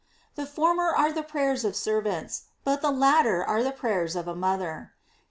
The former are the prayers of ser vants, but the latter are the prayers of a moth er. St.